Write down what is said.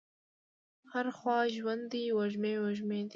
هره خوا ژوند دی وږمې، وږمې دي